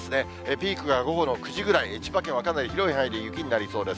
ピークが午後の９時ぐらい、千葉県はかなり広い範囲で雪になりそうです。